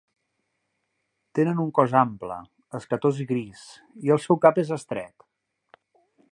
Tenen un cos ample, escatós i gris, i el seu cap és estret.